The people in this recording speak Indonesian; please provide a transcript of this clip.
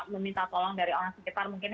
meminta tolong dari orang sekitar mungkin